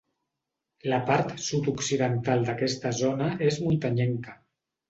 La part sud-occidental d'aquesta zona és muntanyenca.